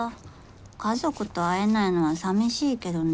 家族と会えないのは寂しいけどね。